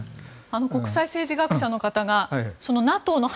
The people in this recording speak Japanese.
国際政治学者の方がＮＡＴＯの反